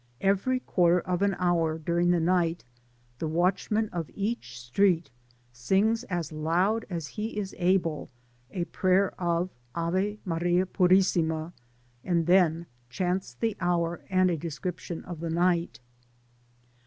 Every quarter of an hour during the night the watchman of each street sings as loud as he is able a prayer of '* Ave Maria purissima," and then diants the hour and a description of the night.